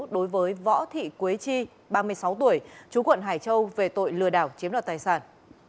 đối với võ thị quế chi ba mươi sáu tuổi chú quận hải châu về tội lừa đảo chiếm đoạt tài sản